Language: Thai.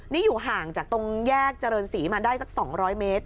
นี่อยู่ห่างจากตรงแยกเจริญศรีมาได้สัก๒๐๐เมตร